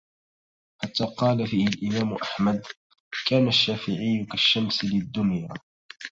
حتى قال فيه الإمام أحمد: «كان الشافعي كالشمس للدنيا